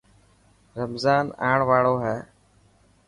رمضان آن واڙو هي.